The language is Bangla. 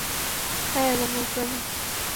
হ্যাঁ, এবং কোঁকড়ানো।